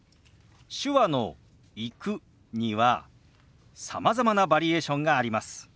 手話の「行く」にはさまざまなバリエーションがあります。